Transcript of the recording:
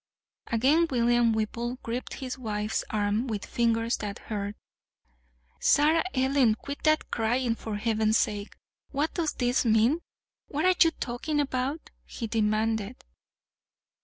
Again William Whipple gripped his wife's arm with fingers that hurt. "Sarah Ellen, quit that crying, for Heaven's sake! What does this mean? What are you talking about?" he demanded.